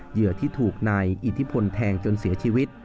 เหยื่อที่ถูกนายอิทธิพลแทงจนเสียชีวิต